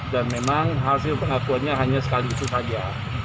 dan memang hasil pengakuannya hanya sekali itu saja